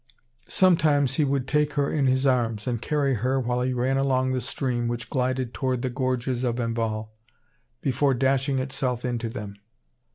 Sometimes he would take her in his arms, and carry her, while he ran along the stream, which glided toward the gorges of Enval, before dashing itself into them.